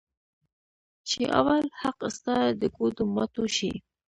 چې اول حق ستا د ګوډو ماتو شي.